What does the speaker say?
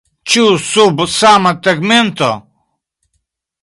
Ĉu sub sama tegmento?